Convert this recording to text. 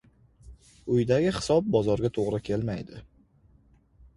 • Uydagi hisob bozorga to‘g‘ri kelmaydi.